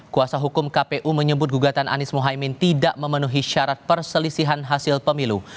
kuasa hukum kpu menyebut gugatan anies mohaimin tidak memenuhi syarat perselisihan hasil pemilu